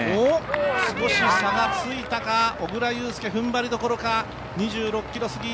少し差がついたか小椋裕介、踏ん張りどころか、２６ｋｍ過ぎ。